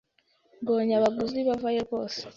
Mbonye abaguzi bavayo rwose